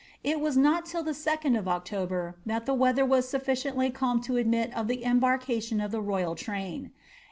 It was not till the 2d of October that the weather was sufficiently calm to admit of the embarkation of the royal train.'